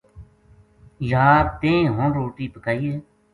یار ! تیں ہن روٹی پکائی ہے